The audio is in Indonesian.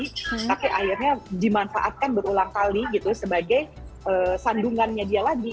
tapi akhirnya dimanfaatkan berulang kali gitu sebagai sandungannya dia lagi